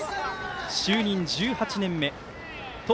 就任１８年目。